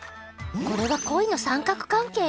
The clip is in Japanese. これは恋の三角関係！？